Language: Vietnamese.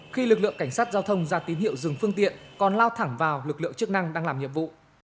khi lực lượng cảnh sát giao thông ra tín hiệu dừng phương tiện còn lao thẳng vào lực lượng chức năng đang làm nhiệm vụ